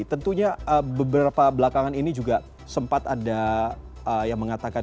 tentunya beberapa belakangan ini juga sempat ada yang mengatakan